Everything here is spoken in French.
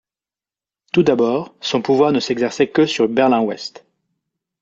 Tout d'abord, son pouvoir ne s'exerçait que sur Berlin-Ouest.